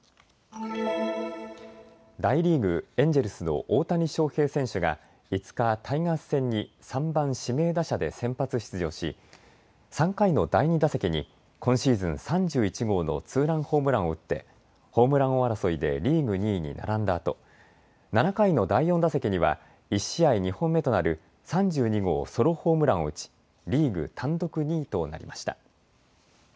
大リーグ、エンジェルスの大谷翔平選手が５日、タイガース戦に３番・指名打者で先発出場し３回の第２打席に今シーズン３１号のツーランホームランを打ってホームラン王争いでリーグ２位に並んだあと７回の第４打席には１試合２本目となる３２号ソロホームランを打ちリーグ単独２位となりました。